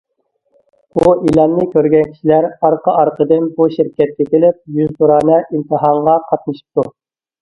بۇ ئېلاننى كۆرگەن كىشىلەر ئارقا- ئارقىدىن بۇ شىركەتكە كېلىپ يۈزتۇرانە ئىمتىھانغا قاتنىشىپتۇ.